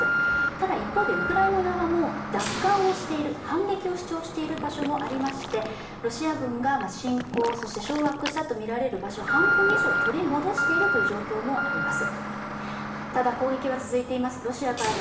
ただ、一方で、ウクライナ側も奪還をしている、反撃を主張している場所もありまして、ロシア軍が侵攻、そして掌握したとみられる場所を半分以上取り戻しているという状況もあります。